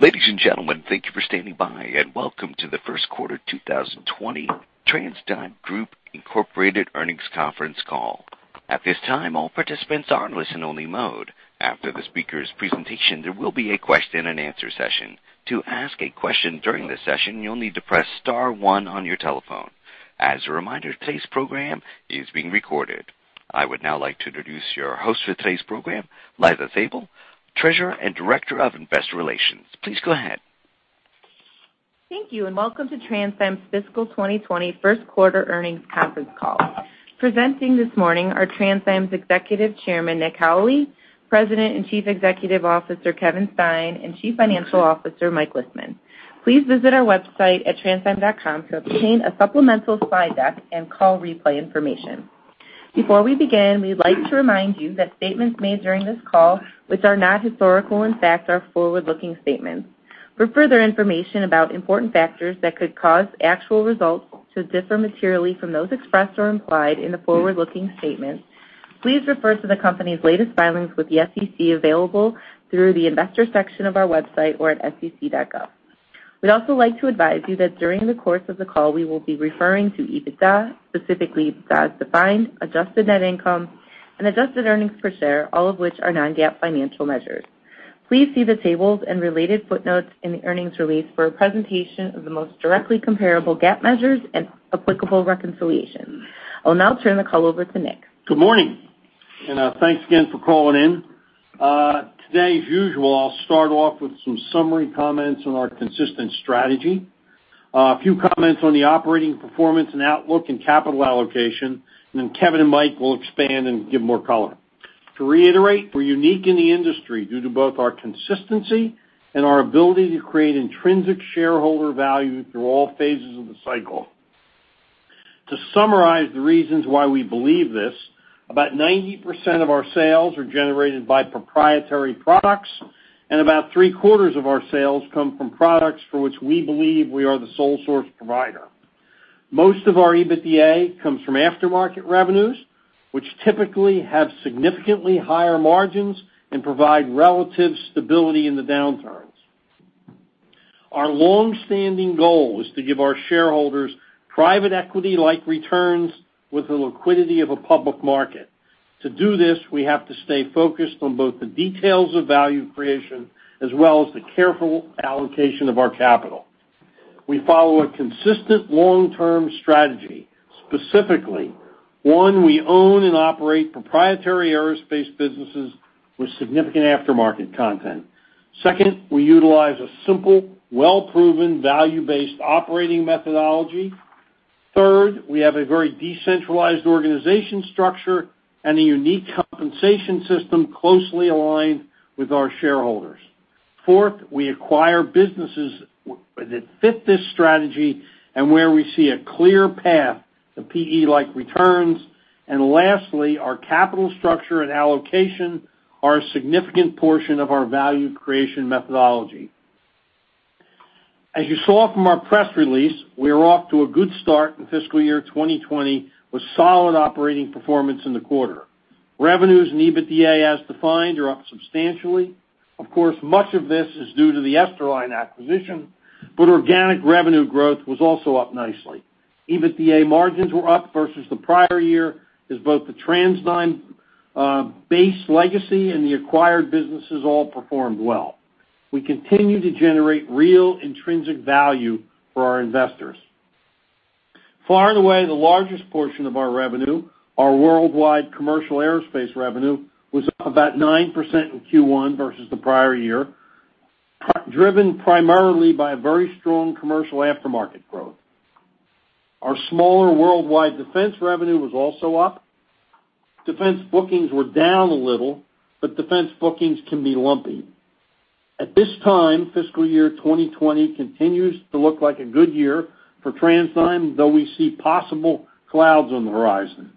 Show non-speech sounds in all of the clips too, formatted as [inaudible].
Ladies and gentlemen, thank you for standing by, and welcome to the first quarter 2020 TransDigm Group Incorporated earnings conference call. At this time, all participants are in listen-only mode. After the speakers' presentation, there will be a question-and-answer session. To ask a question during the session, you'll need to press star one on your telephone. As a reminder, today's program is being recorded. I would now like to introduce your host for today's program, Liza Sabol, Treasurer and Director of Investor Relations. Please go ahead. Thank you, and welcome to TransDigm's fiscal 2020 first quarter earnings conference call. Presenting this morning are TransDigm's Executive Chairman, Nick Howley, President and Chief Executive Officer, Kevin Stein, and Chief Financial Officer, Mike Lisman. Please visit our website at transdigm.com to obtain a supplemental slide deck and call replay information. Before we begin, we'd like to remind you that statements made during this call, which are not historical in fact, are forward-looking statements. For further information about important factors that could cause actual results to differ materially from those expressed or implied in the forward-looking statements, please refer to the company's latest filings with the SEC available through the investor section of our website or at sec.gov. We'd also like to advise you that during the course of the call, we will be referring to EBITDA, specifically as defined, adjusted net income, and adjusted earnings per share, all of which are non-GAAP financial measures. Please see the tables and related footnotes in the earnings release for a presentation of the most directly comparable GAAP measures and applicable reconciliations. I'll now turn the call over to Nick. Good morning. Thanks again for calling in. Today, as usual, I'll start off with some summary comments on our consistent strategy, a few comments on the operating performance and outlook and capital allocation, and then Kevin and Mike will expand and give more color. To reiterate, we're unique in the industry due to both our consistency and our ability to create intrinsic shareholder value through all phases of the cycle. To summarize the reasons why we believe this, about 90% of our sales are generated by proprietary products, and about three-quarters of our sales come from products for which we believe we are the sole source provider. Most of our EBITDA comes from aftermarket revenues, which typically have significantly higher margins and provide relative stability in the downturns. Our longstanding goal is to give our shareholders private equity-like returns with the liquidity of a public market. To do this, we have to stay focused on both the details of value creation as well as the careful allocation of our capital. We follow a consistent long-term strategy, specifically, one, we own and operate proprietary aerospace businesses with significant aftermarket content. Second, we utilize a simple, well-proven, value-based operating methodology. Third, we have a very decentralized organization structure and a unique compensation system closely aligned with our shareholders. Fourth, we acquire businesses that fit this strategy and where we see a clear path to PE-like returns. Lastly, our capital structure and allocation are a significant portion of our value creation methodology. As you saw from our press release, we are off to a good start in fiscal year 2020 with solid operating performance in the quarter. Revenues and EBITDA as defined are up substantially. Much of this is due to the Esterline acquisition, organic revenue growth was also up nicely. EBITDA margins were up versus the prior year as both the TransDigm base legacy and the acquired businesses all performed well. We continue to generate real intrinsic value for our investors. Far and away, the largest portion of our revenue, our worldwide commercial aerospace revenue, was up about 9% in Q1 versus the prior year, driven primarily by very strong commercial aftermarket growth. Our smaller worldwide defense revenue was also up. Defense bookings were down a little, defense bookings can be lumpy. At this time, fiscal year 2020 continues to look like a good year for TransDigm, though we see possible clouds on the horizon.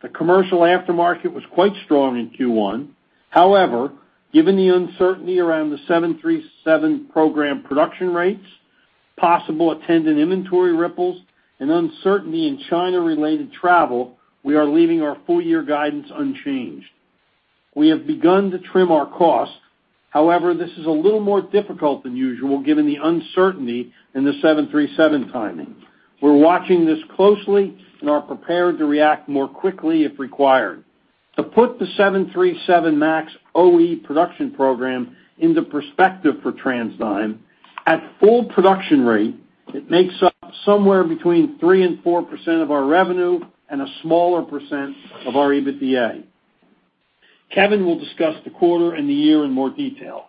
The commercial aftermarket was quite strong in Q1. However, given the uncertainty around the 737 program production rates, possible attendant inventory ripples, and uncertainty in China-related travel, we are leaving our full-year guidance unchanged. We have begun to trim our costs. However, this is a little more difficult than usual given the uncertainty in the 737 timing. We're watching this closely and are prepared to react more quickly if required. To put the 737 MAX OE production program into perspective for TransDigm, at full production rate, it makes up somewhere between 3% and 4% of our revenue and a smaller percent of our EBITDA. Kevin will discuss the quarter and the year in more detail.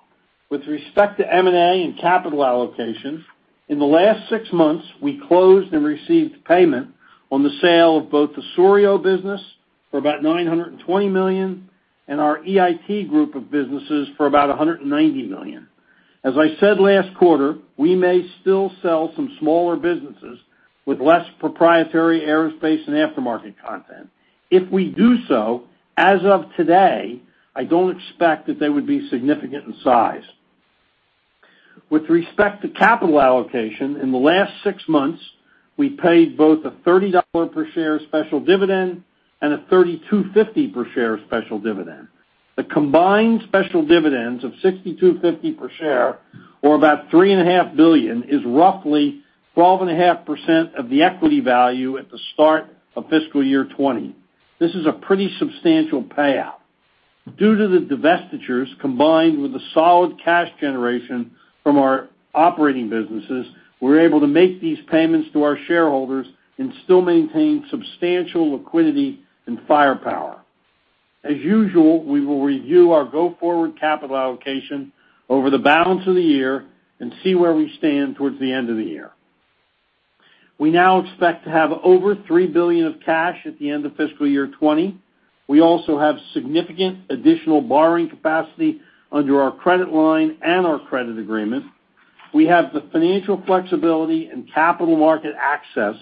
With respect to M&A and capital allocation, in the last six months, we closed and received payment on the sale of both the Souriau business for about $920 million and our EIT group of businesses for about $190 million. As I said last quarter, we may still sell some smaller businesses with less proprietary aerospace and aftermarket content. If we do so, as of today, I don't expect that they would be significant in size. With respect to capital allocation, in the last six months, we paid both a $30 per share special dividend and a $32.50 per share special dividend. The combined special dividends of $62.50 per share, or about $3.5 billion, is roughly 12.5% of the equity value at the start of fiscal year 2020. This is a pretty substantial payout. Due to the divestitures, combined with the solid cash generation from our operating businesses, we're able to make these payments to our shareholders and still maintain substantial liquidity and firepower. As usual, we will review our go-forward capital allocation over the balance of the year and see where we stand towards the end of the year. We now expect to have over $3 billion of cash at the end of fiscal year 2020. We also have significant additional borrowing capacity under our credit line and our credit agreement. We have the financial flexibility and capital market access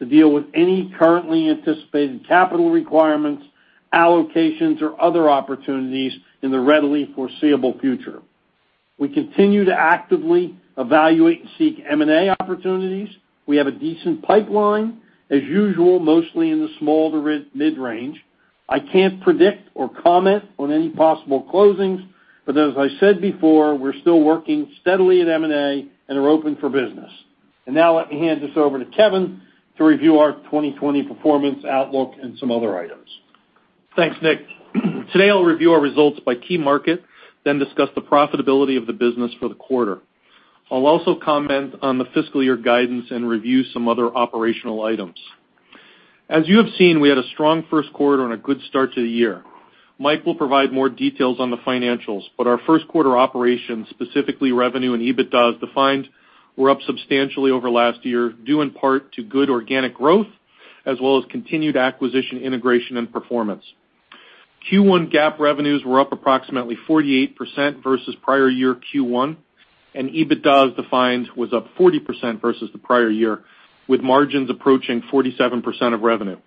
to deal with any currently anticipated capital requirements, allocations, or other opportunities in the readily foreseeable future. We continue to actively evaluate and seek M&A opportunities. We have a decent pipeline, as usual, mostly in the small to mid-range. I can't predict or comment on any possible closings, but as I said before, we're still working steadily at M&A and are open for business. Now let me hand this over to Kevin to review our 2020 performance outlook and some other items. Thanks, Nick. Today I'll review our results by key market, discuss the profitability of the business for the quarter. I'll also comment on the fiscal year guidance and review some other operational items. As you have seen, we had a strong first quarter and a good start to the year. Mike will provide more details on the financials, our first quarter operations, specifically revenue and EBITDA as defined, were up substantially over last year, due in part to good organic growth as well as continued acquisition, integration, and performance. Q1 GAAP revenues were up approximately 48% versus prior year Q1, EBITDA as defined was up 40% versus the prior year, with margins approaching 47% of revenue.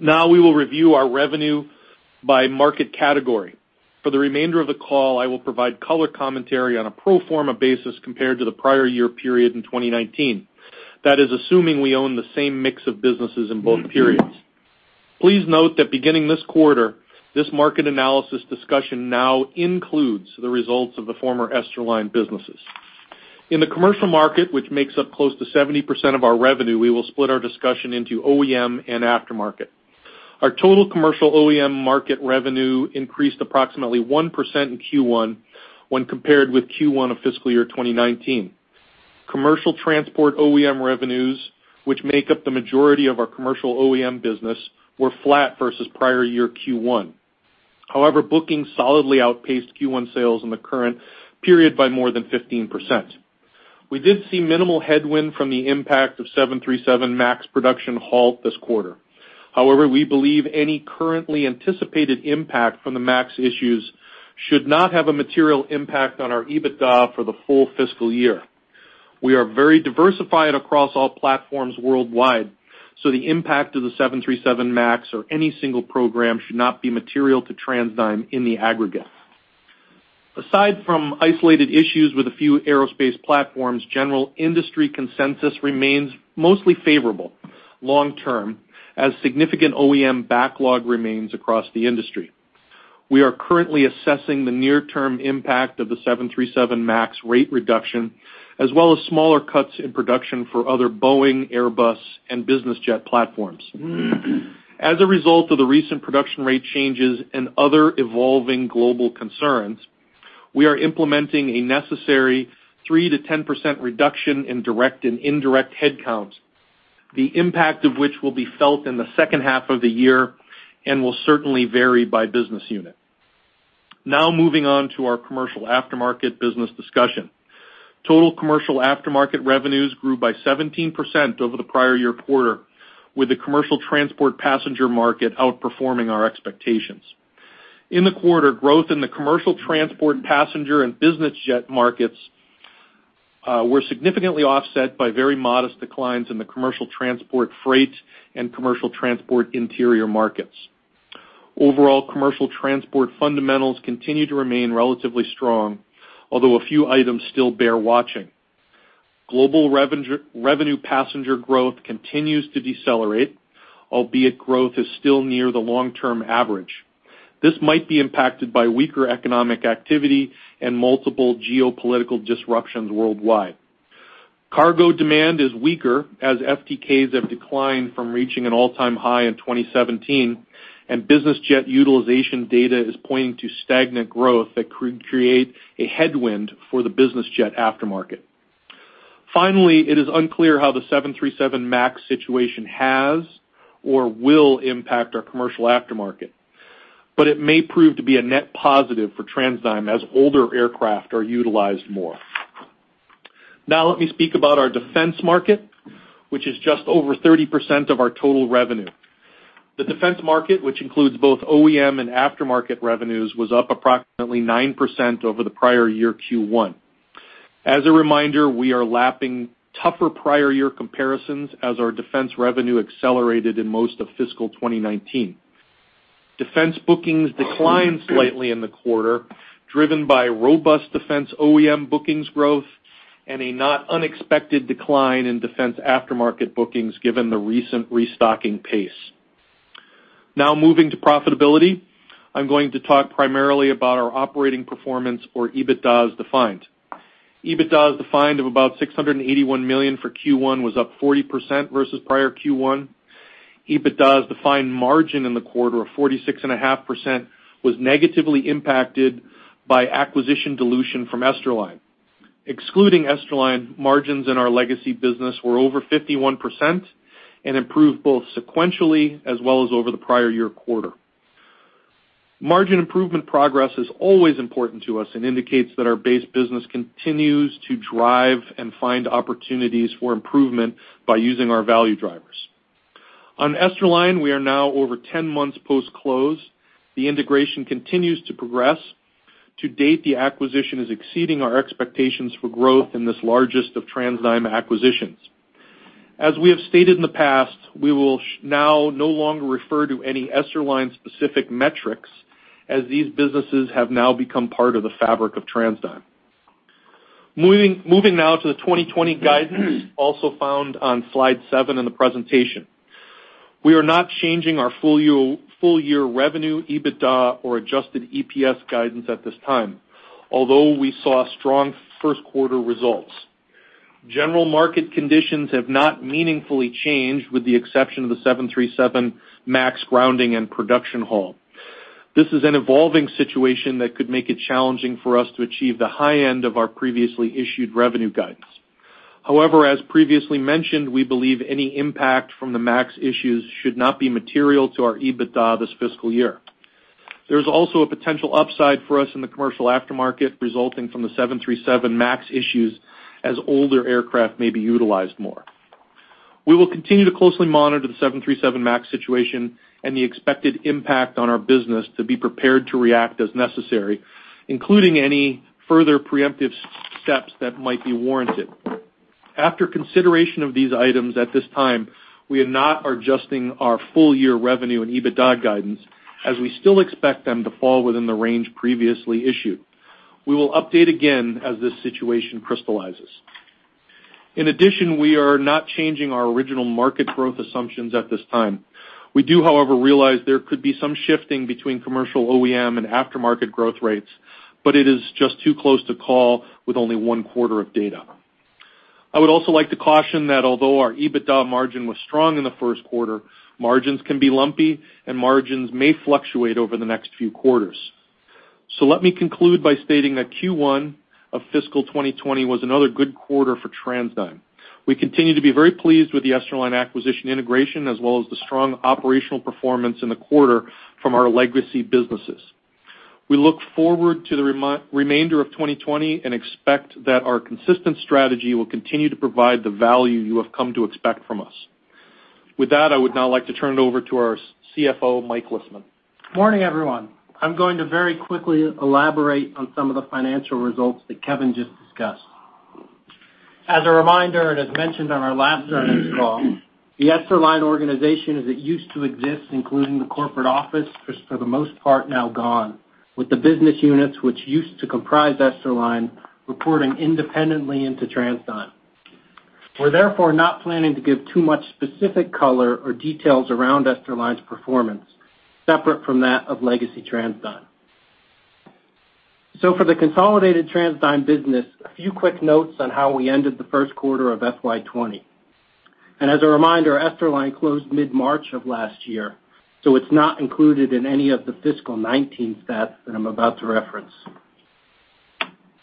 We will review our revenue by market category. For the remainder of the call, I will provide color commentary on a pro forma basis compared to the prior year period in 2019. That is assuming we own the same mix of businesses in both periods. Please note that beginning this quarter, this market analysis discussion now includes the results of the former Esterline businesses. In the commercial market, which makes up close to 70% of our revenue, we will split our discussion into OEM and aftermarket. Our total commercial OEM market revenue increased approximately 1% in Q1 when compared with Q1 of fiscal year 2019. Commercial transport OEM revenues, which make up the majority of our commercial OEM business, were flat versus prior year Q1. Bookings solidly outpaced Q1 sales in the current period by more than 15%. We did see minimal headwind from the impact of 737 MAX production halt this quarter. We believe any currently anticipated impact from the MAX issues should not have a material impact on our EBITDA for the full fiscal year. We are very diversified across all platforms worldwide, the impact of the 737 MAX or any single program should not be material to TransDigm in the aggregate. Aside from isolated issues with a few aerospace platforms, general industry consensus remains mostly favorable long term, as significant OEM backlog remains across the industry. We are currently assessing the near-term impact of the 737 MAX rate reduction, as well as smaller cuts in production for other Boeing, Airbus, and business jet platforms. As a result of the recent production rate changes and other evolving global concerns, we are implementing a necessary 3%-10% reduction in direct and indirect headcount, the impact of which will be felt in the second half of the year and will certainly vary by business unit. Moving on to our commercial aftermarket business discussion. Total commercial aftermarket revenues grew by 17% over the prior year quarter, with the commercial transport passenger market outperforming our expectations. In the quarter, growth in the commercial transport passenger and business jet markets were significantly offset by very modest declines in the commercial transport freight and commercial transport interior markets. Commercial transport fundamentals continue to remain relatively strong, although a few items still bear watching. Global revenue passenger growth continues to decelerate, albeit growth is still near the long-term average. This might be impacted by weaker economic activity and multiple geopolitical disruptions worldwide. Cargo demand is weaker as FTKs have declined from reaching an all-time high in 2017, and business jet utilization data is pointing to stagnant growth that could create a headwind for the business jet aftermarket. Finally, it is unclear how the 737 MAX situation has or will impact our commercial aftermarket, but it may prove to be a net positive for TransDigm as older aircraft are utilized more. Now let me speak about our defense market, which is just over 30% of our total revenue. The defense market, which includes both OEM and aftermarket revenues, was up approximately 9% over the prior year Q1. As a reminder, we are lapping tougher prior year comparisons as our defense revenue accelerated in most of fiscal 2019. Defense bookings declined slightly in the quarter, driven by robust defense OEM bookings growth and a not unexpected decline in defense aftermarket bookings given the recent restocking pace. Moving to profitability. I'm going to talk primarily about our operating performance or EBITDA as defined. EBITDA as defined of about $681 million for Q1 was up 40% versus prior Q1. EBITDA as defined margin in the quarter of 46.5% was negatively impacted by acquisition dilution from Esterline. Excluding Esterline, margins in our legacy business were over 51% and improved both sequentially as well as over the prior year quarter. Margin improvement progress is always important to us and indicates that our base business continues to drive and find opportunities for improvement by using our value drivers. On Esterline, we are now over 10 months post-close. The integration continues to progress. To date, the acquisition is exceeding our expectations for growth in this largest of TransDigm acquisitions. As we have stated in the past, we will now no longer refer to any Esterline specific metrics as these businesses have now become part of the fabric of TransDigm. Moving now to the 2020 guidance, also found on slide seven in the presentation. We are not changing our full year revenue, EBITDA, or adjusted EPS guidance at this time, although we saw strong first quarter results. General market conditions have not meaningfully changed, with the exception of the 737 MAX grounding and production halt. This is an evolving situation that could make it challenging for us to achieve the high end of our previously issued revenue guidance. However, as previously mentioned, we believe any impact from the MAX issues should not be material to our EBITDA this fiscal year. There is also a potential upside for us in the commercial aftermarket resulting from the 737 MAX issues as older aircraft may be utilized more. We will continue to closely monitor the 737 MAX situation and the expected impact on our business to be prepared to react as necessary, including any further preemptive steps that might be warranted. After consideration of these items at this time, we are not adjusting our full year revenue and EBITDA guidance as we still expect them to fall within the range previously issued. We will update again as this situation crystallizes. In addition, we are not changing our original market growth assumptions at this time. We do, however, realize there could be some shifting between commercial OEM and aftermarket growth rates. It is just too close to call with only one quarter of data. I would also like to caution that although our EBITDA margin was strong in the first quarter, margins can be lumpy and margins may fluctuate over the next few quarters. Let me conclude by stating that Q1 of fiscal 2020 was another good quarter for TransDigm. We continue to be very pleased with the Esterline acquisition integration as well as the strong operational performance in the quarter from our legacy businesses. We look forward to the remainder of 2020 and expect that our consistent strategy will continue to provide the value you have come to expect from us. With that, I would now like to turn it over to our CFO, Mike Lisman. Morning, everyone. I'm going to very quickly elaborate on some of the financial results that Kevin just discussed. As a reminder, and as mentioned on our last earnings call, the Esterline organization as it used to exist, including the corporate office, for the most part, now gone, with the business units which used to comprise Esterline reporting independently into TransDigm. We're therefore not planning to give too much specific color or details around Esterline's performance separate from that of legacy TransDigm. For the consolidated TransDigm business, a few quick notes on how we ended the first quarter of FY 2020. As a reminder, Esterline closed mid-March of last year, so it's not included in any of the fiscal 2019 stats that I'm about to reference.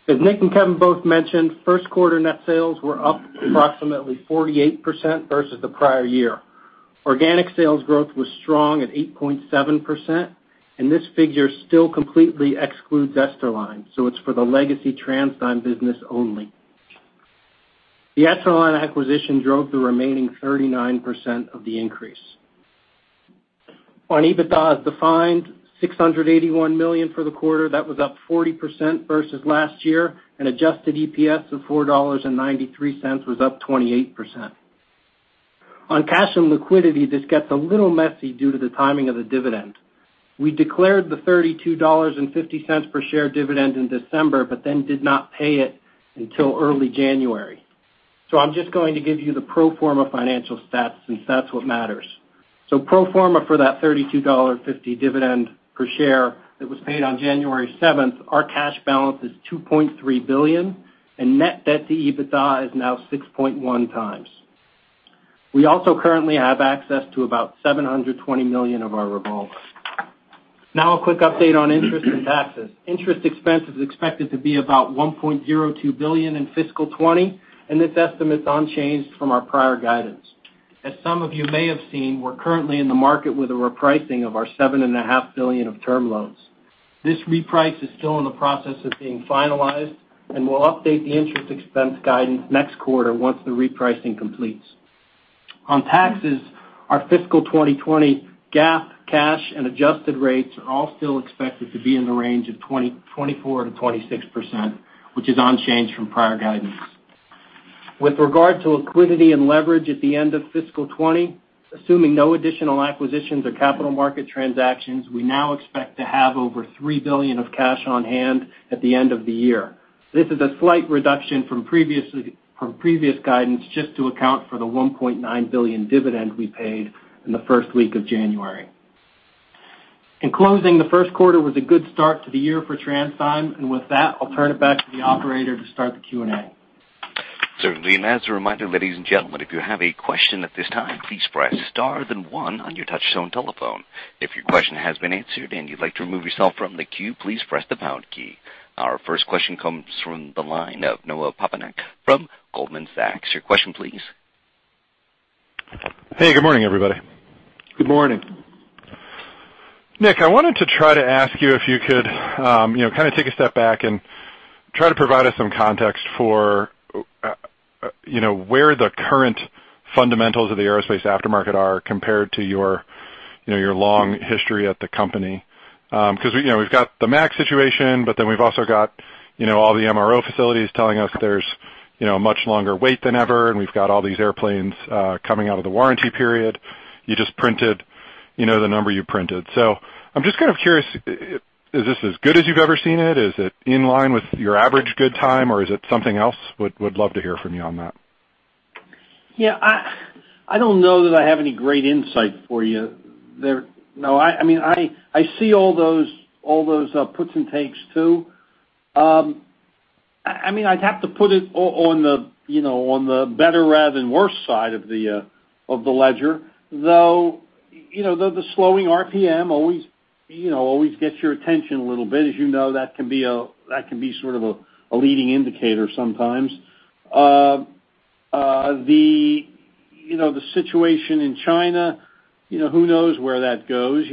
As Nick and Kevin both mentioned, first quarter net sales were up approximately 48% versus the prior year. Organic sales growth was strong at 8.7%, and this figure still completely excludes Esterline, so it's for the legacy TransDigm business only. The Esterline acquisition drove the remaining 39% of the increase. On EBITDA as defined, $681 million for the quarter, that was up 40% versus last year, and adjusted EPS of $4.93 was up 28%. On cash and liquidity, this gets a little messy due to the timing of the dividend. We declared the $32.50 per share dividend in December, but then did not pay it until early January. I'm just going to give you the pro forma financial stats since that's what matters. Pro forma for that $32.50 dividend per share that was paid on January 7th, our cash balance is $2.3 billion, and net debt to EBITDA is now 6.1 times. We also currently have access to about $720 million of our revolver. Now a quick update on interest and taxes. Interest expense is expected to be about $1.02 billion in fiscal 2020, and this estimate's unchanged from our prior guidance. As some of you may have seen, we're currently in the market with a repricing of our $7.5 billion of term loans. This reprice is still in the process of being finalized, and we'll update the interest expense guidance next quarter once the repricing completes. On taxes, our fiscal 2020 GAAP, cash, and adjusted rates are all still expected to be in the range of 24%-26%, which is unchanged from prior guidance. With regard to liquidity and leverage at the end of fiscal 2020, assuming no additional acquisitions or capital market transactions, we now expect to have over $3 billion of cash on hand at the end of the year. This is a slight reduction from previous guidance, just to account for the $1.9 billion dividend we paid in the first week of January. In closing, the first quarter was a good start to the year for TransDigm. With that, I'll turn it back to the operator to start the Q&A. Certainly. As a reminder, ladies and gentlemen, if you have a question at this time, please press star then one on your touchtone telephone. If your question has been answered and you'd like to remove yourself from the queue, please press the pound key. Our first question comes from the line of Noah Poponak from Goldman Sachs. Your question please. Hey, good morning, everybody. Good morning. Nick, I wanted to try to ask you if you could kind of take a step back and try to provide us some context for where the current fundamentals of the aerospace aftermarket are compared to your long history at the company. We've got the MAX situation. We've also got all the MRO facilities telling us there's a much longer wait than ever, and we've got all these airplanes coming out of the warranty period. You just printed the number you printed. I'm just kind of curious, is this as good as you've ever seen it? Is it in line with your average good time, or is it something else? Would love to hear from you on that. Yeah. I don't know that I have any great insight for you there. No, I see all those puts and takes, too. I'd have to put it on the better rather than worse side of the ledger, though the slowing RPM always gets your attention a little bit. As you know, that can be sort of a leading indicator sometimes. The situation in China, who knows where that goes.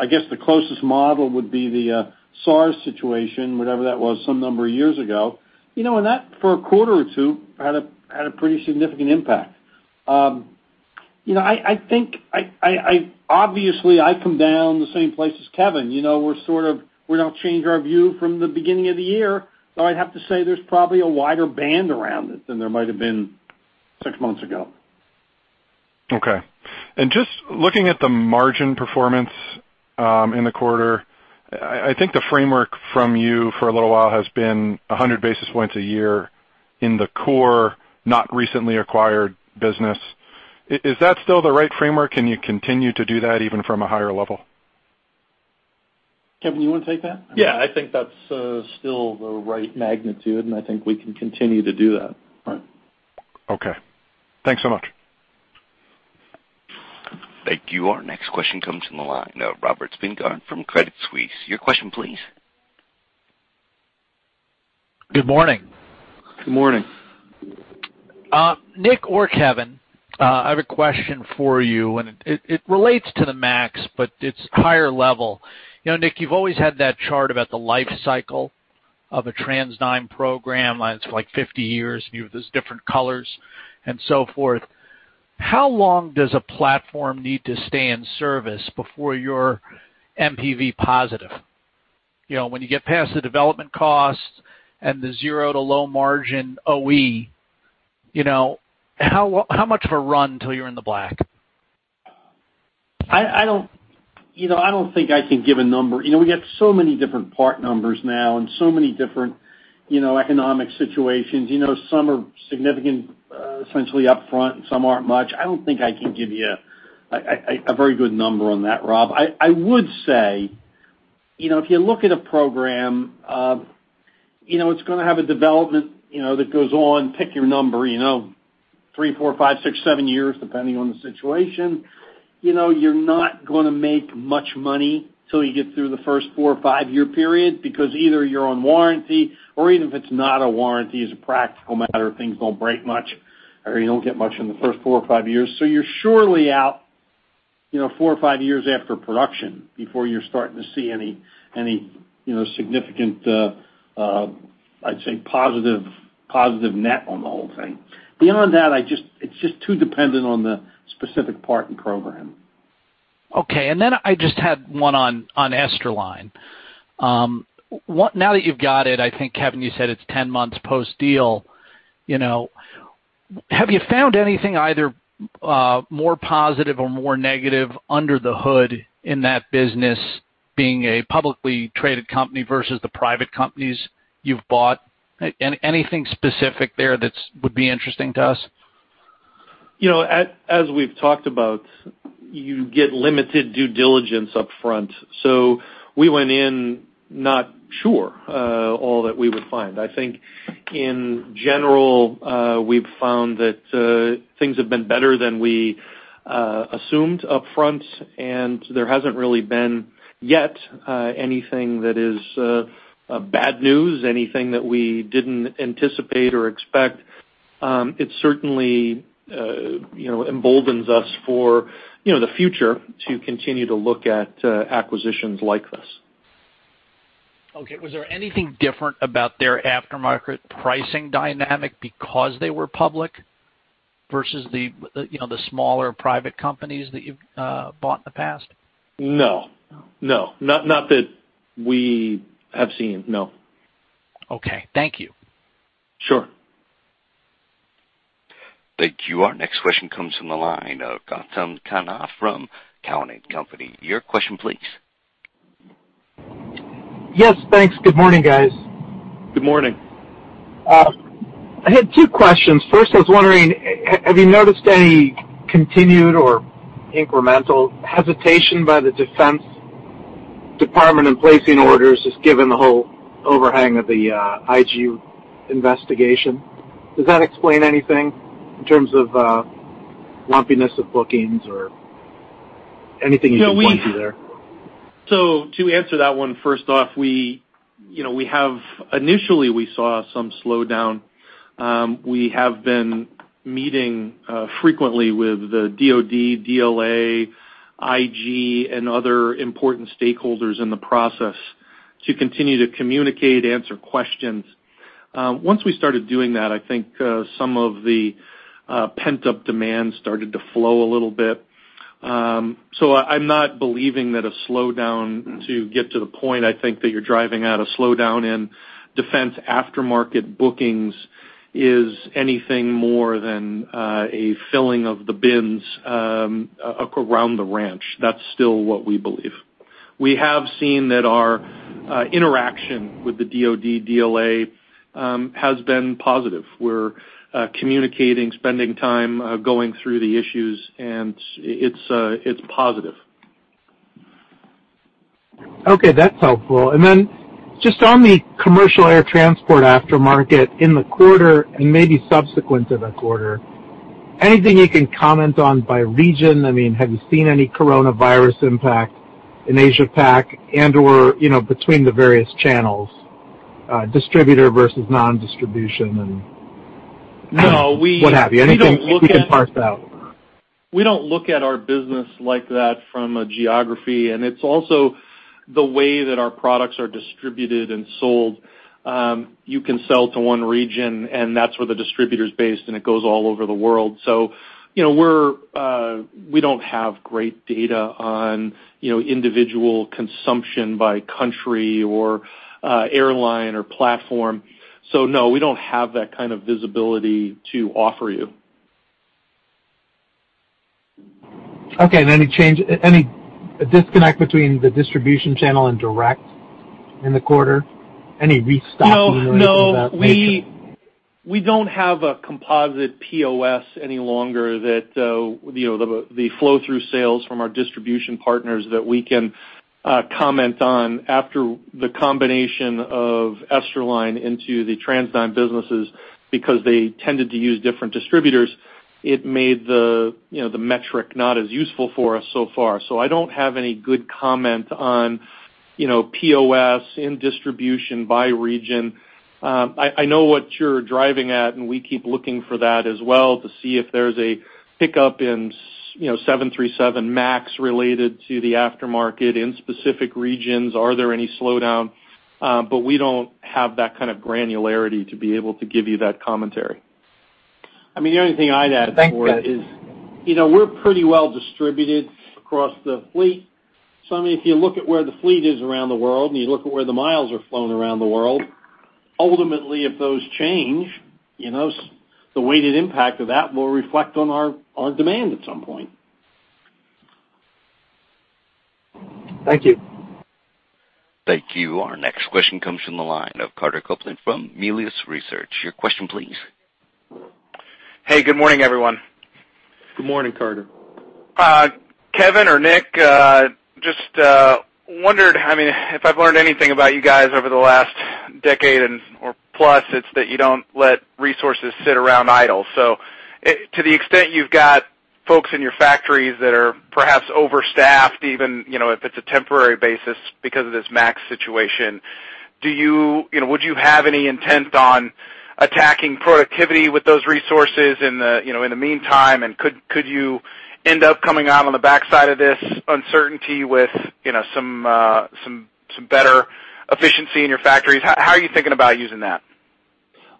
I guess the closest model would be the SARS situation, whatever that was, some number of years ago. That, for a quarter or two, had a pretty significant impact. Obviously, I come down the same place as Kevin. We don't change our view from the beginning of the year, though I'd have to say there's probably a wider band around it than there might've been six months ago. Okay. Just looking at the margin performance in the quarter, I think the framework from you for a little while has been 100 basis points a year in the core, not recently acquired business. Is that still the right framework? Can you continue to do that even from a higher level? Kevin, you want to take that? Yeah, I think that's still the right magnitude, and I think we can continue to do that. Okay. Thanks so much. Thank you. Our next question comes from the line of Robert Spingarn from Credit Suisse. Your question please. Good morning. Good morning. Nick or Kevin, I have a question for you, and it relates to the MAX, but it's higher level. Nick, you've always had that chart about the life cycle of a TransDigm program. It's like 50 years, there's different colors and so forth. How long does a platform need to stay in service before you're NPV positive? When you get past the development costs and the zero to low margin OE, how much of a run till you're in the black? I don't think I can give a number. We got so many different part numbers now and so many different economic situations. Some are significant, essentially upfront, and some aren't much. I don't think I can give you a very good number on that, Rob. I would say, if you look at a program, it's going to have a development that goes on, pick your number, three, four, five, six, seven years, depending on the situation. You're not going to make much money till you get through the first four or five-year period, because either you're on warranty or even if it's not a warranty, as a practical matter, things don't break much, or you don't get much in the first four or five years. You're surely out four or five years after production before you're starting to see any significant, I'd say, positive net on the whole thing. Beyond that, it's just too dependent on the specific part and program. Okay, I just had one on Esterline. Now that you've got it, I think, Kevin, you said it's 10 months post-deal. Have you found anything either more positive or more negative under the hood in that business being a publicly traded company versus the private companies you've bought? Anything specific there that would be interesting to us? As we've talked about, you get limited due diligence upfront. We went in not sure all that we would find. I think in general, we've found that things have been better than we assumed upfront, and there hasn't really been, yet, anything that is bad news, anything that we didn't anticipate or expect. It certainly emboldens us for the future to continue to look at acquisitions like this. Okay. Was there anything different about their aftermarket pricing dynamic because they were public? Versus the smaller private companies that you've bought in the past? No. No. Not that we have seen, no. Okay. Thank you. Sure. Thank you. Our next question comes from the line of Gautam Khanna from Cowen and Company. Your question, please. Yes, thanks. Good morning, guys. Good morning. I had two questions. First, I was wondering, have you noticed any continued or incremental hesitation by the Defense Department in placing orders, just given the whole overhang of the IG investigation? Does that explain anything in terms of lumpiness of bookings or anything you can point to there? To answer that one, first off, initially, we saw some slowdown. We have been meeting frequently with the DoD, DLA, IG, and other important stakeholders in the process to continue to communicate, answer questions. Once we started doing that, I think some of the pent-up demand started to flow a little bit. I'm not believing that a slowdown, to get to the point, I think that you're driving at, a slowdown in defense aftermarket bookings is anything more than a filling of the bins around the ranch. That's still what we believe. We have seen that our interaction with the DoD, DLA has been positive. We're communicating, spending time, going through the issues, and it's positive. Okay, that's helpful. Just on the commercial air transport aftermarket in the quarter, and maybe subsequent to the quarter, anything you can comment on by region? Have you seen any coronavirus impact in Asia Pac and/or between the various channels, distributor versus non-distribution, and what have you? Anything you can parse out? We don't look at our business like that from a geography, and it's also the way that our products are distributed and sold. You can sell to one region, and that's where the distributor's based, and it goes all over the world. We don't have great data on individual consumption by country or airline or platform. No, we don't have that kind of visibility to offer you. Okay. Any disconnect between the distribution channel and direct in the quarter? Any restocking related to that nature? We don't have a composite POS any longer, the flow-through sales from our distribution partners that we can comment on after the combination of Esterline into the TransDigm businesses, because they tended to use different distributors. It made the metric not as useful for us so far. I don't have any good comment on POS in distribution by region. I know what you're driving at, and we keep looking for that as well to see if there's a pickup in 737 MAX related to the aftermarket in specific regions. Are there any slowdown? We don't have that kind of granularity to be able to give you that commentary. The only thing I'd add to that is. Thanks, guys. We're pretty well distributed across the fleet. If you look at where the fleet is around the world, and you look at where the miles are flown around the world, ultimately, if those change, the weighted impact of that will reflect on our demand at some point. Thank you. Thank you. Our next question comes from the line of Carter Copeland from Melius Research. Your question, please. Hey, good morning, everyone. Good morning, Carter. Kevin or Nick, just wondered, if I've learned anything about you guys over the last decade or plus, it's that you don't let resources sit around idle. To the extent you've got folks in your factories that are perhaps overstaffed, even if it's a temporary basis because of this MAX situation, would you have any intent on attacking productivity with those resources in the meantime, and could you end up coming out on the backside of this uncertainty with some better efficiency in your factories? How are you thinking about using that?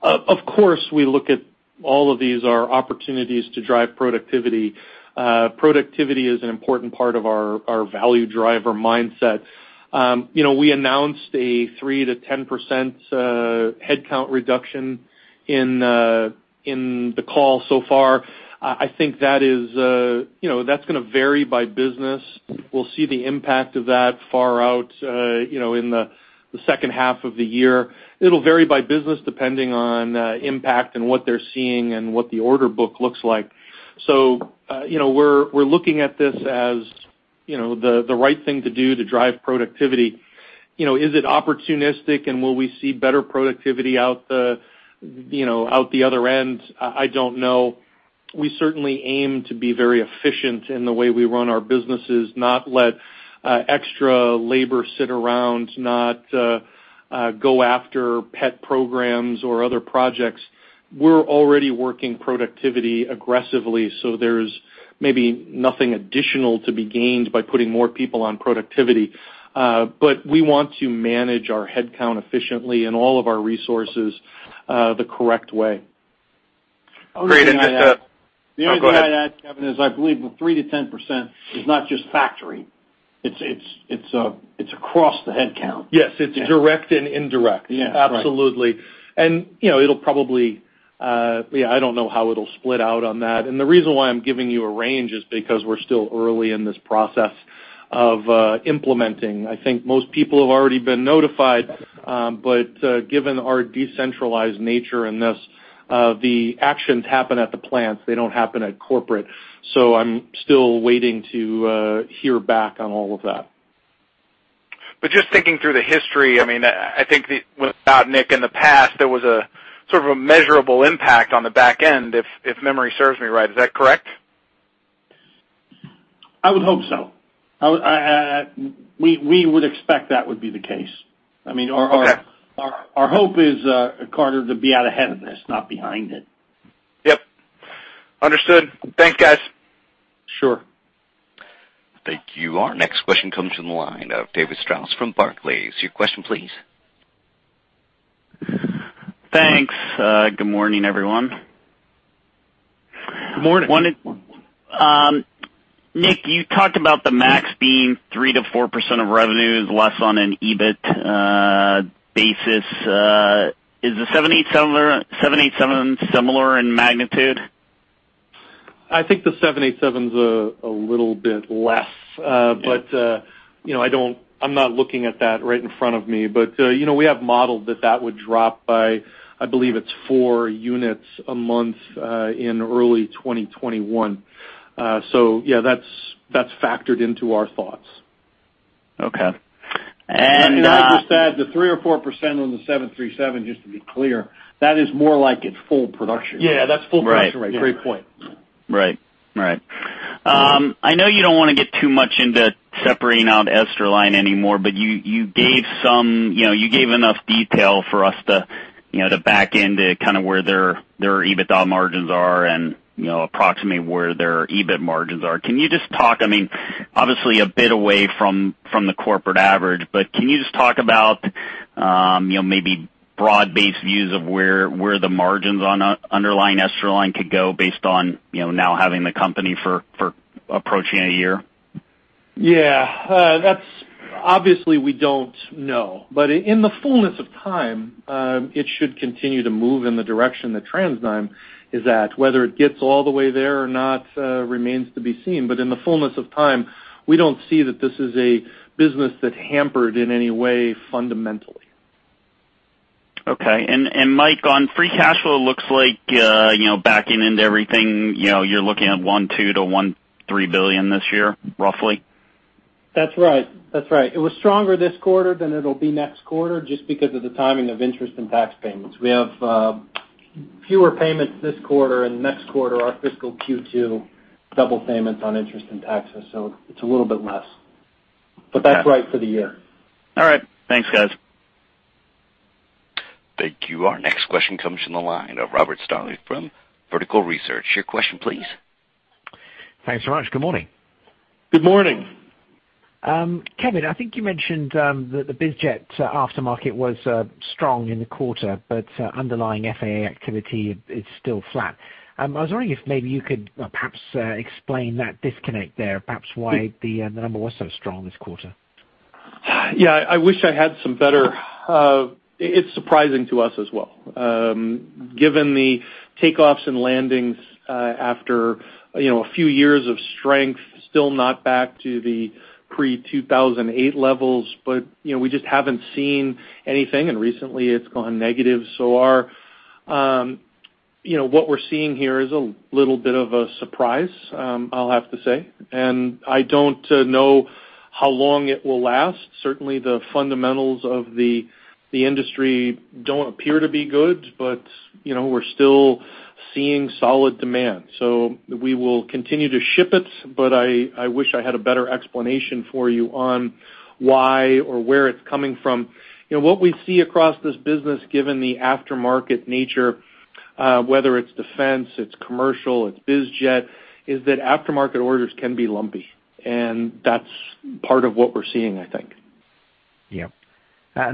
Of course, we look at all of these are opportunities to drive productivity. Productivity is an important part of our value driver mindset. We announced a 3%-10% headcount reduction in the call so far. I think that's going to vary by business. We'll see the impact of that far out in the second half of the year. It'll vary by business depending on impact and what they're seeing and what the order book looks like. We're looking at this as the right thing to do to drive productivity. Is it opportunistic, and will we see better productivity out the other end? I don't know. We certainly aim to be very efficient in the way we run our businesses, not let extra labor sit around, not go after pet programs or other projects. We're already working productivity aggressively, there's maybe nothing additional to be gained by putting more people on productivity. We want to manage our headcount efficiently and all of our resources the correct way. Great. The only thing I'd add. Oh, go ahead. The only thing I'd add, Kevin, is I believe the 3%-10% is not just factory. It's across the headcount. Yes. Yeah. It's direct and indirect. Yeah, right. Absolutely. it'll probably Yeah, I don't know how it'll split out on that. The reason why I'm giving you a range is because we're still early in this process of implementing. I think most people have already been notified. Given our decentralized nature in this, the actions happen at the plants, they don't happen at corporate. I'm still waiting to hear back on all of that. Just thinking through the history, I think without Nick in the past, there was sort of a measurable impact on the back end, if memory serves me right. Is that correct? I would hope so. We would expect that would be the case. Okay. Our hope is, Carter, to be out ahead of this, not behind it. Yep. Understood. Thanks, guys. Sure. Thank you. Our next question comes from the line of David Strauss from Barclays. Your question, please. Thanks. Good morning, everyone. Good morning. Nick, you talked about the MAX being 3%-4% of revenues less on an EBIT basis. Is the 787 similar in magnitude? I think the 787's a little bit less. Yeah. I'm not looking at that right in front of me. We have modeled that that would drop by, I believe, it's four units a month in early 2021. Yeah, that's factored into our thoughts. Okay. Can I just add, the 3% or 4% on the 737, just to be clear, that is more like at full production. Yeah, that's full production. Right. Great point. Right. I know you don't want to get too much into separating out Esterline anymore, but you gave enough detail for us to back into kind of where their EBITDA margins are and approximately where their EBIT margins are. Can you just talk, obviously a bit away from the corporate average, but can you just talk about maybe broad-based views of where the margins on underlying Esterline could go based on now having the company for approaching a year? Yeah. Obviously, we don't know, but in the fullness of time, it should continue to move in the direction that TransDigm is at. Whether it gets all the way there or not remains to be seen. In the fullness of time, we don't see that this is a business that's hampered in any way fundamentally. Okay. Mike, on free cash flow, looks like backing into everything, you're looking at $1.2 billion-$1.3 billion this year, roughly? That's right. It was stronger this quarter than it'll be next quarter, just because of the timing of interest and tax payments. We have fewer payments this quarter, and next quarter, our fiscal Q2, double payments on interest and taxes, so it's a little bit less. Okay. That's right for the year. All right. Thanks, guys. Thank you. Our next question comes from the line of Robert Stallard from Vertical Research. Your question, please. Thanks very much. Good morning. Good morning. Kevin, I think you mentioned that the biz jet aftermarket was strong in the quarter. Underlying FAA activity is still flat. I was wondering if maybe you could perhaps explain that disconnect there, perhaps why the number was so strong this quarter? It's surprising to us as well. Given the takeoffs and landings after a few years of strength, still not back to the pre-2008 levels, we just haven't seen anything, recently it's gone negative. What we're seeing here is a little bit of a surprise, I'll have to say. I don't know how long it will last. Certainly, the fundamentals of the industry don't appear to be good, we're still seeing solid demand. We will continue to ship it, I wish I had a better explanation for you on why or where it's coming from. What we see across this business, given the aftermarket nature, whether it's defense, it's commercial, it's biz jet, is that aftermarket orders can be lumpy. That's part of what we're seeing, I think. Yeah.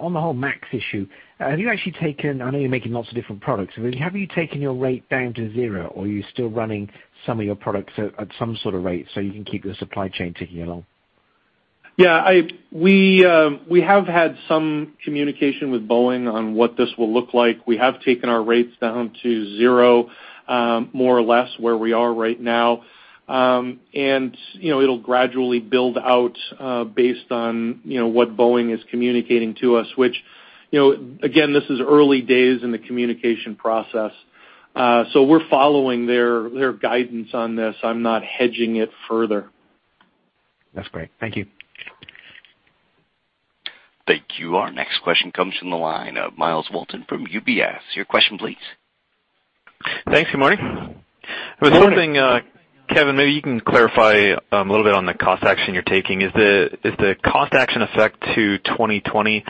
On the whole MAX issue, have you actually taken, I know you're making lots of different products, but have you taken your rate down to zero, or are you still running some of your products at some sort of rate so you can keep the supply chain ticking along? Yeah. We have had some communication with Boeing on what this will look like. We have taken our rates down to zero, more or less where we are right now. It'll gradually build out based on what Boeing is communicating to us. Which, again, this is early days in the communication process. We're following their guidance on this. I'm not hedging it further. That's great. Thank you. Thank you. Our next question comes from the line of Myles Walton from UBS. Your question, please. Thanks. Good morning. Good morning. There was something, Kevin, maybe you can clarify a little bit on the cost action you're taking. Is the cost action effect to 2020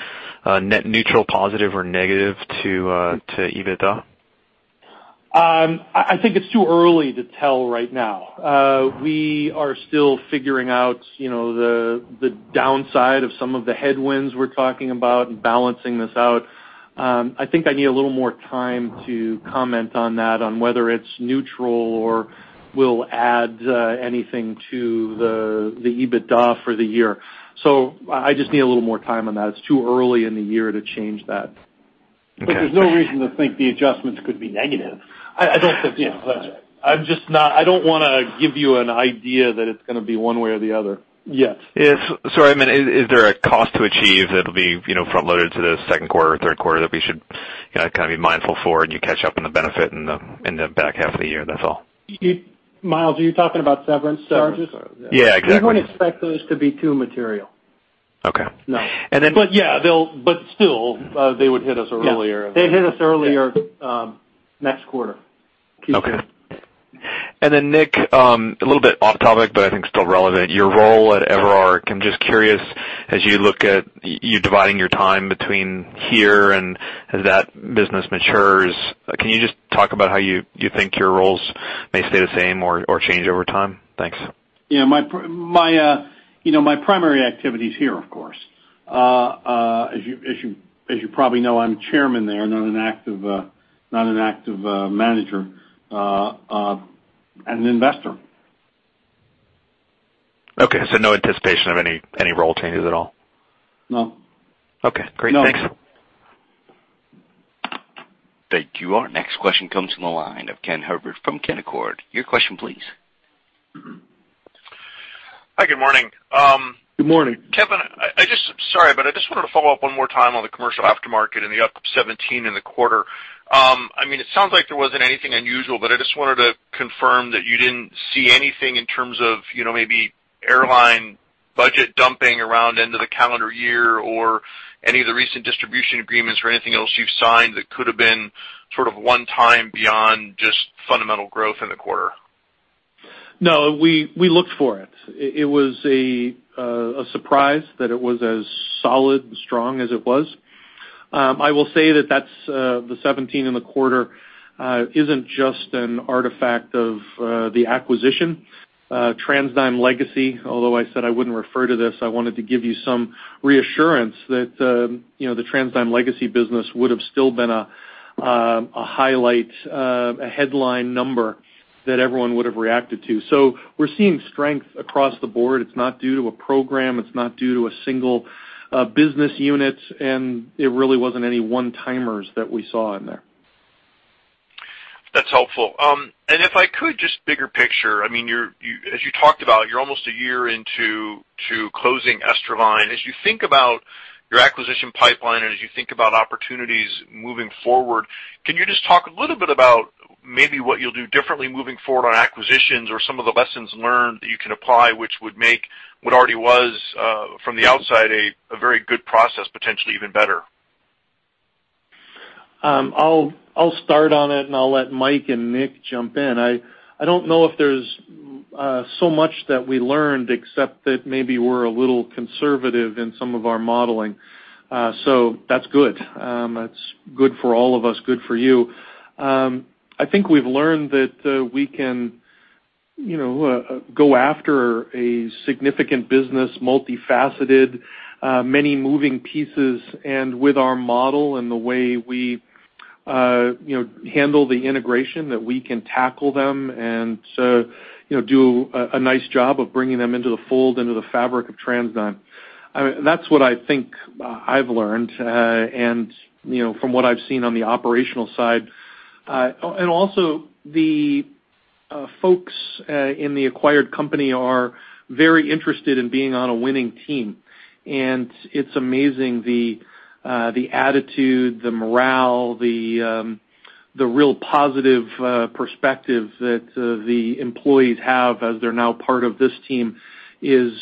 net neutral, positive, or negative to EBITDA? I think it's too early to tell right now. We are still figuring out the downside of some of the headwinds we're talking about and balancing this out. I think I need a little more time to comment on that, on whether it's neutral or will add anything to the EBITDA for the year. I just need a little more time on that. It's too early in the year to change that. There's no reason to think the adjustments could be negative. I don't think so. I don't want to give you an idea that it's going to be one way or the other yet. Yes. Sorry, I meant, is there a cost to achieve that'll be front-loaded to the second quarter or third quarter that we should kind of be mindful for and you catch up on the benefit in the back half of the year? That's all. Myles, are you talking about severance charges? Severance charges. Yeah, exactly. We wouldn't expect those to be too material. Okay. No. Still, they would hit us earlier. Yeah. They'd hit us earlier next quarter. Q2. Okay. Nick, a little bit off topic, but I think still relevant. Your role at EverArc, I'm just curious, as you look at you dividing your time between here and as that business matures, can you just talk about how you think your roles may stay the same or change over time? Thanks. My primary activity is here, of course. As you probably know, I'm chairman there, not an active manager, an investor. Okay. No anticipation of any role changes at all? No. Okay. Great. Thanks. Thank you. Our next question comes from the line of Ken Herbert from Canaccord. Your question please. Hi. Good morning. Good morning. Kevin, sorry, I just wanted to follow up one more time on the commercial aftermarket and the up 17 in the quarter. It sounds like there wasn't anything unusual, I just wanted to confirm that you didn't see anything in terms of maybe airline budget dumping around end of the calendar year or any of the recent distribution agreements or anything else you've signed that could have been sort of one time beyond just fundamental growth in the quarter. No, we looked for it. It was a surprise that it was as solid and strong as it was. I will say that the 17% in the quarter isn't just an artifact of the acquisition. TransDigm legacy, although I said I wouldn't refer to this, I wanted to give you some reassurance that the TransDigm legacy business would've still been a highlight, a headline number that everyone would've reacted to. We're seeing strength across the board. It's not due to a program, it's not due to a single business unit, and it really wasn't any one-timers that we saw in there. That's helpful. If I could just bigger picture, as you talked about, you're almost a year into closing Esterline. As you think about your acquisition pipeline and as you think about opportunities moving forward, can you just talk a little bit about maybe what you'll do differently moving forward on acquisitions or some of the lessons learned that you can apply, which would make what already was, from the outside, a very good process, potentially even better? I'll start on it, and I'll let Mike and Nick jump in. I don't know if there's so much that we learned except that maybe we're a little conservative in some of our modeling. That's good. That's good for all of us, good for you. I think we've learned that we can go after a significant business, multifaceted, many moving pieces, and with our model and the way we handle the integration, that we can tackle them and do a nice job of bringing them into the fold, into the fabric of TransDigm. That's what I think I've learned, and from what I've seen on the operational side. Also, the folks in the acquired company are very interested in being on a winning team, and it's amazing the attitude, the morale, the real positive perspective that the employees have as they're now part of this team is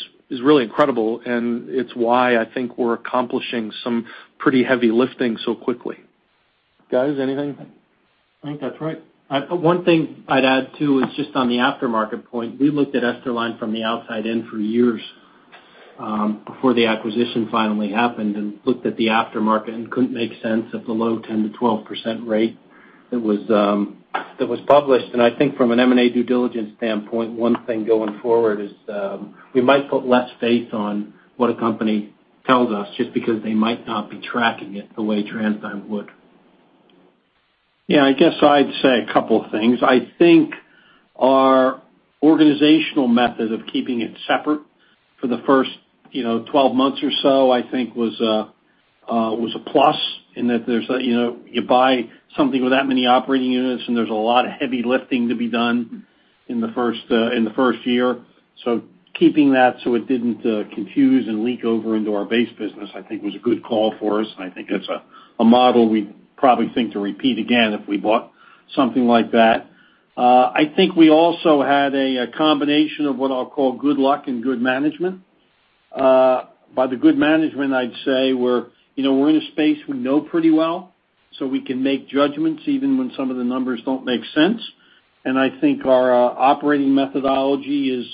really incredible, and it's why I think we're accomplishing some pretty heavy lifting so quickly. Guys, anything? I think that's right. One thing I'd add, too, is just on the aftermarket point. We looked at Esterline from the outside in for years before the acquisition finally happened, and looked at the aftermarket and couldn't make sense of the low 10%-12% rate that was published. I think from an M&A due diligence standpoint, one thing going forward is, we might put less faith on what a company tells us, just because they might not be tracking it the way TransDigm would. Yeah, I guess I'd say a couple things. I think our organizational method of keeping it separate for the first 12 months or so, I think was a plus in that you buy something with that many operating units, and there's a lot of heavy lifting to be done in the first year. Keeping that so it didn't confuse and leak over into our base business, I think was a good call for us, and I think it's a model we'd probably think to repeat again if we bought something like that. I think we also had a combination of what I'll call good luck and good management. By the good management, I'd say we're in a space we know pretty well, so we can make judgments even when some of the numbers don't make sense. I think our operating methodology is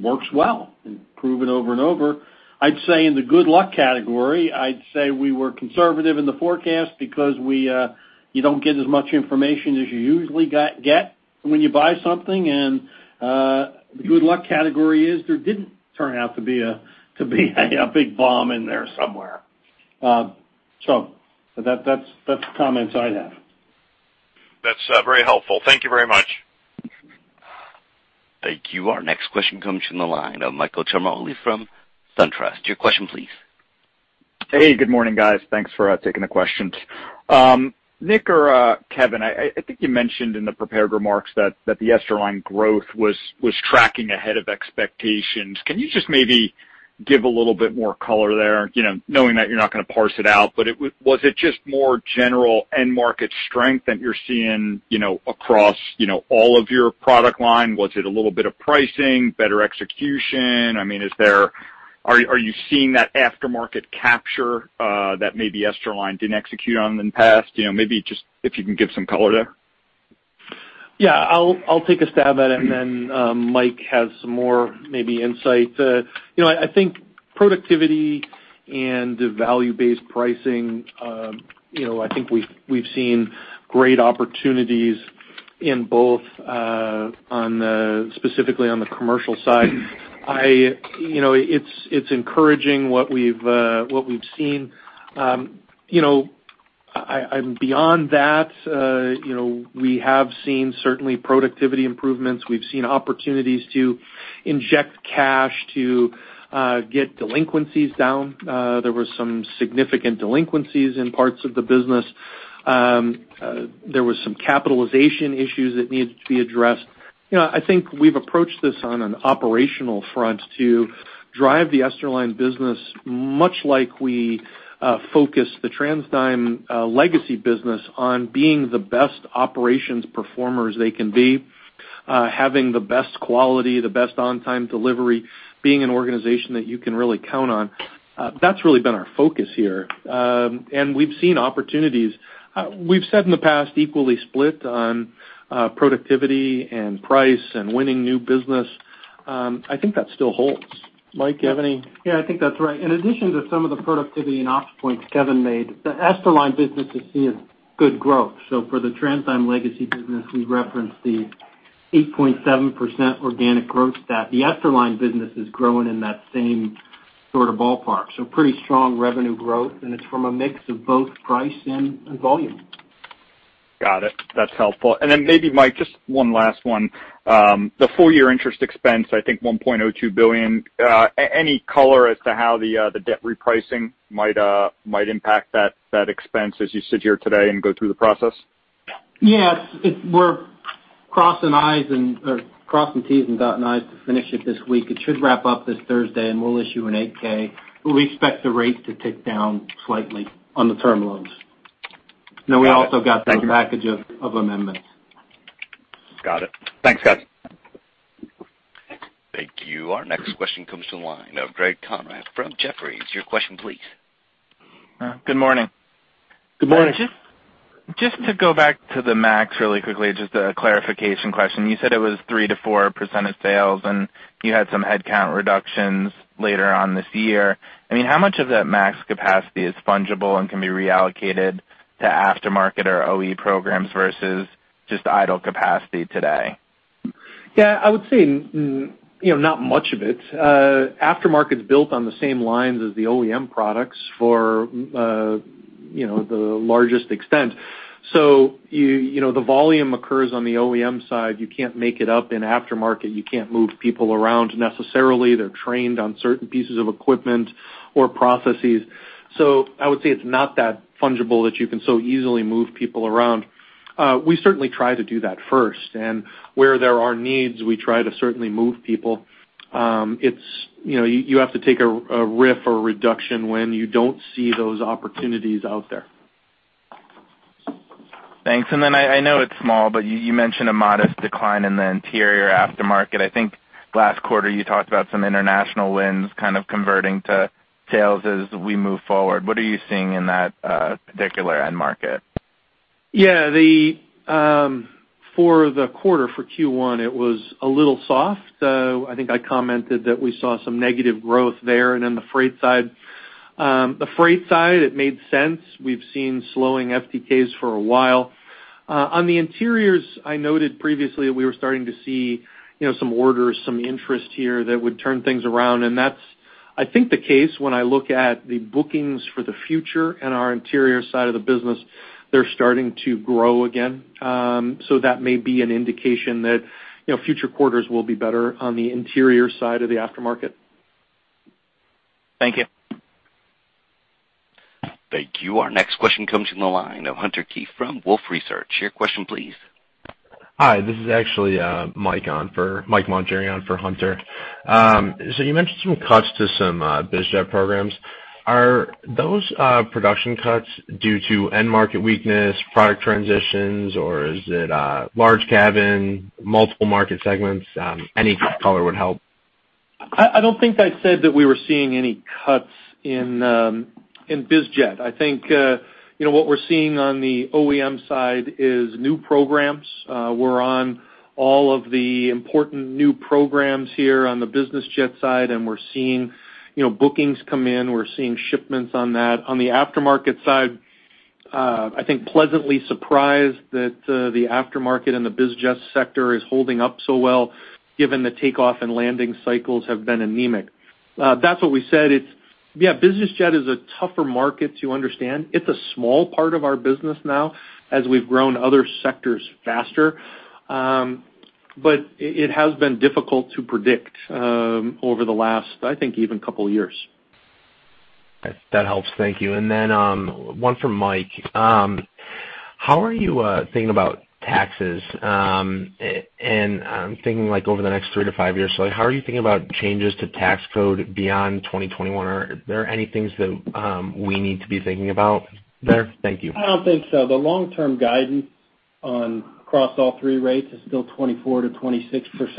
Works well and proven over and over. I'd say in the good luck category, I'd say we were conservative in the forecast because you don't get as much information as you usually get when you buy something. The good luck category is there didn't turn out to be a big bomb in there somewhere. That's the comments I have. That's very helpful. Thank you very much. Thank you. Our next question comes from the line of Michael Ciarmoli from SunTrust. Your question please. Hey, good morning, guys. Thanks for taking the questions. Nick or Kevin, I think you mentioned in the prepared remarks that the Esterline growth was tracking ahead of expectations. Can you just maybe give a little bit more color there? Knowing that you're not going to parse it out, was it just more general end market strength that you're seeing across all of your product line? Was it a little bit of pricing, better execution? Are you seeing that aftermarket capture that maybe Esterline didn't execute on in the past? Maybe just if you can give some color there. Yeah, I'll take a stab at it, and then Mike has some more maybe insight. I think productivity and value-based pricing, I think we've seen great opportunities in both, specifically on the commercial side. It's encouraging what we've seen. Beyond that, we have seen certainly productivity improvements. We've seen opportunities to inject cash to get delinquencies down. There were some significant delinquencies in parts of the business. There were some capitalization issues that needed to be addressed. I think we've approached this on an operational front to drive the Esterline business much like we focus the TransDigm legacy business on being the best operations performers they can be. Having the best quality, the best on-time delivery, being an organization that you can really count on. That's really been our focus here. We've seen opportunities. We've said in the past, equally split on productivity and price and winning new business. I think that still holds. Mike, you have any? I think that's right. In addition to some of the productivity and ops points Kevin made, the Esterline business is seeing good growth. For the TransDigm legacy business, we referenced the 8.7% organic growth stat. The Esterline business is growing in that same sort of ballpark, so pretty strong revenue growth, and it's from a mix of both price and volume. Got it. That's helpful. Then maybe, Mike, just one last one. The full-year interest expense, I think $1.02 billion. Any color as to how the debt repricing might impact that expense as you sit here today and go through the process? Yeah. We're crossing T's and dotting I's to finish it this week. It should wrap up this Thursday, and we'll issue an 8-K. We expect the rate to tick down slightly on the term loans. Got it. Thank you. We also got the package of amendments. Got it. Thanks, guys. Thank you. Our next question comes to the line of Greg Konrad from Jefferies. Your question please. Good morning. Good morning. Just to go back to the MAX really quickly, just a clarification question. You said it was 3%-4% of sales, and you had some headcount reductions later on this year. How much of that MAX capacity is fungible and can be reallocated to aftermarket or OE programs versus just idle capacity today? Yeah, I would say not much of it. Aftermarket's built on the same lines as the OEM products for the largest extent. The volume occurs on the OEM side. You can't make it up in aftermarket. You can't move people around necessarily. They're trained on certain pieces of equipment or processes. I would say it's not that fungible that you can so easily move people around. We certainly try to do that first, and where there are needs, we try to certainly move people. You have to take a RIF or a reduction when you don't see those opportunities out there. Thanks. I know it's small, but you mentioned a modest decline in the interior aftermarket. I think last quarter you talked about some international wins kind of converting to sales as we move forward. What are you seeing in that particular end market? Yeah. For the quarter, for Q1, it was a little soft. I think I commented that we saw some negative growth there. The freight side, it made sense. We've seen slowing FTK for a while. On the interiors, I noted previously that we were starting to see some orders, some interest here that would turn things around. That's, I think, the case when I look at the bookings for the future and our interior side of the business. They're starting to grow again. That may be an indication that future quarters will be better on the interior side of the aftermarket. Thank you. Thank you. Our next question comes from the line of Hunter Keay from Wolfe Research. Your question please. Hi, this is actually [audio distortion] for Hunter. You mentioned some cuts to some biz jet programs. Are those production cuts due to end market weakness, product transitions, or is it large cabin, multiple market segments? Any color would help. I don't think I said that we were seeing any cuts in biz jet. I think, what we're seeing on the OEM side is new programs. We're on all of the important new programs here on the business jet side, and we're seeing bookings come in, we're seeing shipments on that. On the aftermarket side, I think pleasantly surprised that the aftermarket and the biz jet sector is holding up so well given the takeoff and landing cycles have been anemic. That's what we said. Business jet is a tougher market to understand. It's a small part of our business now as we've grown other sectors faster. It has been difficult to predict over the last, I think, even couple years. That helps. Thank you. Then, one for Mike. How are you thinking about taxes? I'm thinking like over the next three to five years. Like, how are you thinking about changes to tax code beyond 2021? Are there any things that we need to be thinking about there? Thank you. I don't think so. The long-term guidance on across all three rates is still 24%-26%,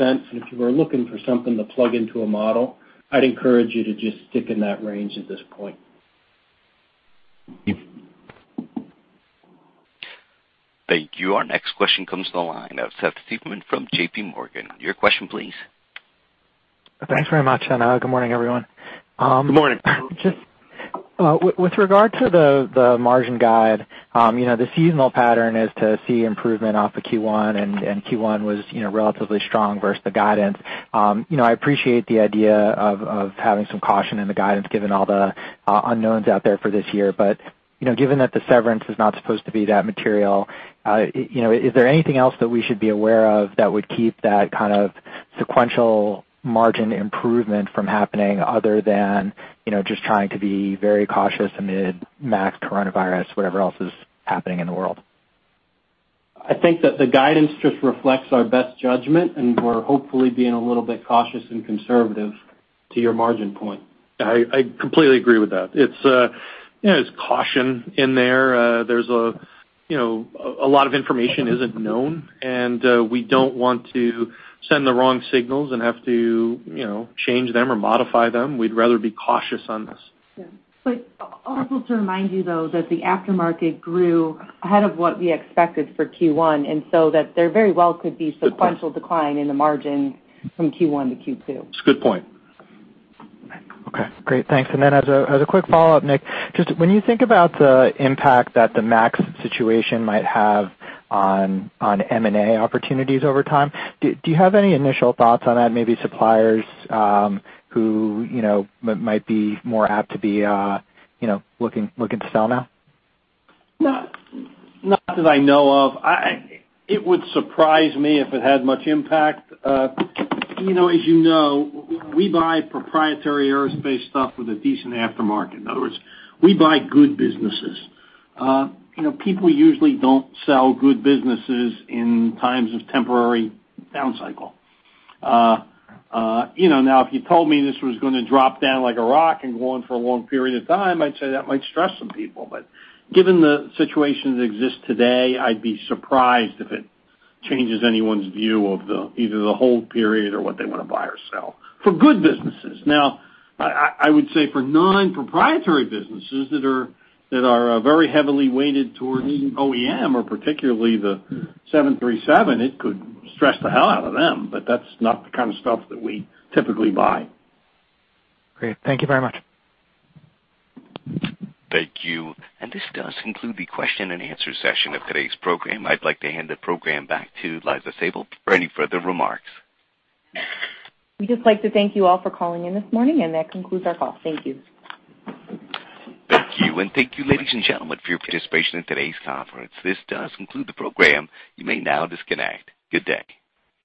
and if you were looking for something to plug into a model, I'd encourage you to just stick in that range at this point. Thank you. Thank you. Our next question comes to the line of Seth Seifman from JPMorgan. Your question please. Thanks very much, and good morning, everyone. Good morning. Just, with regard to the margin guide, the seasonal pattern is to see improvement off of Q1, and Q1 was relatively strong versus the guidance. I appreciate the idea of having some caution in the guidance, given all the unknowns out there for this year. Given that the severance is not supposed to be that material, is there anything else that we should be aware of that would keep that kind of sequential margin improvement from happening other than just trying to be very cautious amid MAX coronavirus, whatever else is happening in the world? I think that the guidance just reflects our best judgment, and we're hopefully being a little bit cautious and conservative to your margin point. I completely agree with that. There's caution in there. A lot of information isn't known, and we don't want to send the wrong signals and have to change them or modify them. We'd rather be cautious on this. Yeah. Also to remind you though, that the aftermarket grew ahead of what we expected for Q1, and so that there very well could be sequential decline in the margin from Q1 to Q2. It's a good point. Okay, great. Thanks. As a quick follow-up, Nick, just when you think about the impact that the MAX situation might have on M&A opportunities over time, do you have any initial thoughts on that? Maybe suppliers who might be more apt to be looking to sell now? Not that I know of. It would surprise me if it had much impact. As you know, we buy proprietary aerospace stuff with a decent aftermarket. In other words, we buy good businesses. People usually don't sell good businesses in times of temporary down cycle. If you told me this was going to drop down like a rock and go on for a long period of time, I'd say that might stress some people. Given the situation that exists today, I'd be surprised if it changes anyone's view of either the hold period or what they want to buy or sell, for good businesses. I would say for non-proprietary businesses that are very heavily weighted towards OEM or particularly the 737, it could stress the hell out of them, but that's not the kind of stuff that we typically buy. Great. Thank you very much. Thank you. This does conclude the question and answer session of today's program. I'd like to hand the program back to Liza Sabol for any further remarks. We'd just like to thank you all for calling in this morning. That concludes our call. Thank you. Thank you. Thank you, ladies and gentlemen, for your participation in today's conference. This does conclude the program. You may now disconnect. Good day.